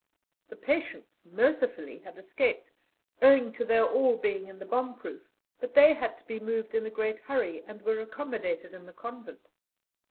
The patients mercifully had escaped, owing to their all being in the bomb proof, but they had to be moved in a great hurry, and were accommodated in the convent.